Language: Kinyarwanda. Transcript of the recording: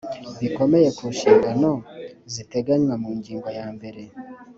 bikomeye ku nshingano ziteganywa mu ngingo yambere